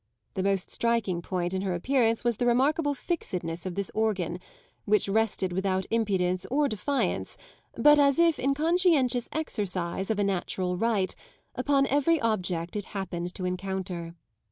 The most striking point in her appearance was the remarkable fixedness of this organ, which rested without impudence or defiance, but as if in conscientious exercise of a natural right, upon every object it happened to encounter.